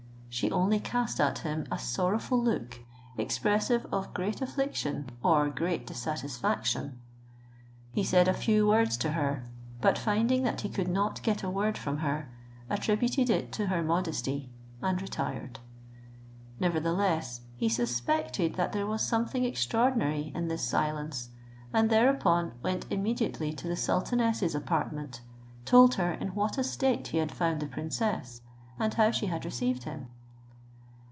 She only cast at him a sorrowful look, expressive of great affliction or great dissatisfaction. He said a few words to her; but finding that he could not get a word from her, attributed it to her modesty, and retired. Nevertheless, he suspected that there was something extraordinary in this silence, and thereupon went immediately to the sultaness's apartment, told her in what a state he had found the princess, and how she had received him.